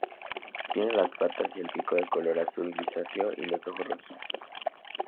Tiene las patas y el pico de color azul grisáceo, y los ojos rojizos.